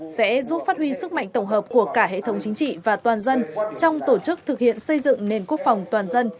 sẽ giúp phát huy sức mạnh tổng hợp của cả hệ thống chính trị và toàn dân trong tổ chức thực hiện xây dựng nền quốc phòng toàn dân